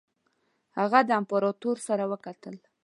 هغه د امپراطور سره وکتل.